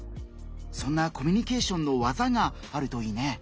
そんなコミュニケーションの技があるといいね。